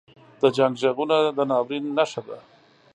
• د جنګ ږغونه د ناورین نښه ده.